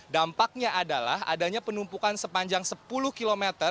dampaknya adalah adanya penumpukan sepanjang sepuluh km